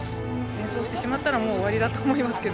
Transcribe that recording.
戦争してしまったらもう終わりだと思いますけど。